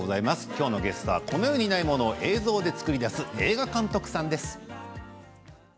きょうのゲストはこの世にないものを映像で作り出す映画監督さんです。